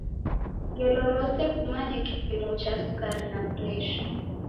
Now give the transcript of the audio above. Ngelo rose kumanye kipimo cha sukari na presha.